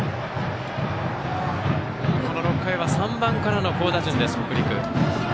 この６回は３番からの好打順です北陸。